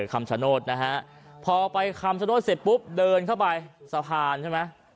คำชโนธนะฮะพอไปคำชโนธเสร็จปุ๊บเดินเข้าไปสะพานใช่ไหม